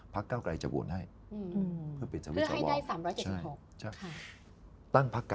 ยินดีจะโวตให้เพื่อไทยมั้ยค่ะ